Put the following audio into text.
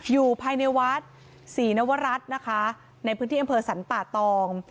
อยู่ภายในวัดศรีนวรัฐนะคะในพื้นที่อำเภอสรรป่าตอง